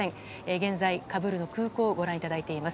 現在、カブールの空港をご覧いただいています。